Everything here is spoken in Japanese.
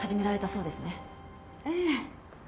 ええ。